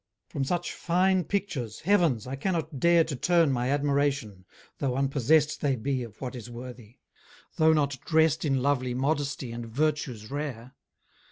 From such fine pictures, heavens! I cannot dare To turn my admiration, though unpossess'd They be of what is worthy, though not drest In lovely modesty, and virtues rare.